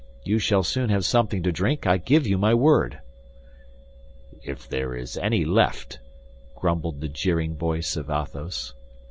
You shall soon have something to drink; I give you my word." "If there is any left," grumbled the jeering voice of Athos.